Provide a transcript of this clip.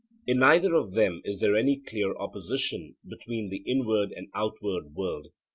In neither of them is there any clear opposition between the inward and outward world.